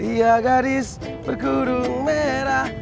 ria gadis berkudung merah